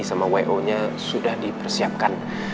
sama wo nya sudah dipersiapkan